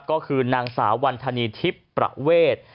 ก็คือนางสาววันธนีทิพย์ประเวท